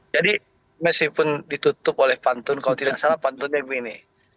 jadi meskipun ditutup oleh pantun kalau tidak salah pantunnya begini